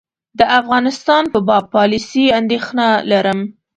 د افغانستان په باب پالیسي اندېښنه لرم.